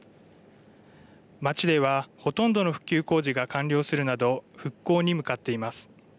町ではほとんどの復旧工事が完了するなど復興に向かっています。